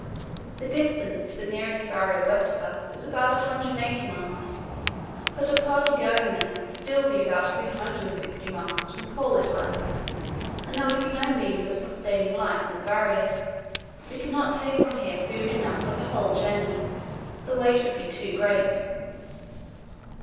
The distance to the nearest barrier west of us is about 180 miles, but a party going there would still be about 360 miles from Paulet Island and there would be no means of sustaining life on the barrier. We could not take from here food enough for the whole journey; the weight would be too great.